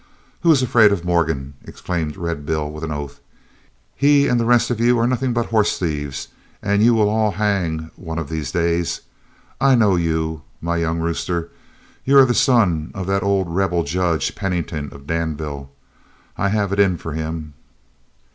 "Who is afraid of Morgan!" exclaimed Red Bill, with an oath. "He and the rest of you are nuthin' but hoss thieves an' yo' will all hang one of these days. I know yo', my young rooster, you air the son of that ole Rebil, Judge Pennington of Danville. I hev it in fur him."